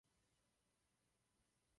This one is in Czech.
Padla také zmínka o potřebě financování.